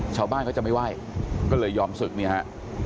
ชาวบ้านเขาจะไม่ไหว้ก็เลยยอมศึกเนี่ยฮะ